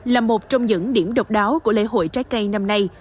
là một trong những điểm độc đáo của lễ hội trái cây năm nay